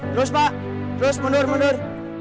terus pak terus mundur mundur